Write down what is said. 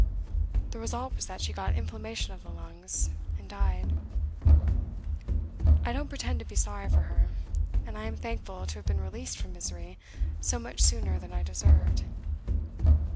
The result was that she got inflammation of the lungs, and died. I don't pretend to be sorry for her, and I am thankful to have been released from misery so much sooner than I deserved.